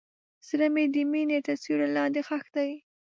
زړه مې د مینې تر سیوري لاندې ښخ دی.